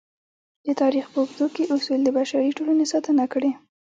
د تاریخ په اوږدو کې اصول د بشري ټولنې ساتنه کړې.